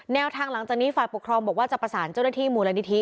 แนวทางหลังจากนี้ฝ่ายปกครองบอกว่าจะประสานเจ้าหน้าที่มูลนิธิ